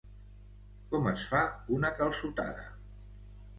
Com es fa una calçotada?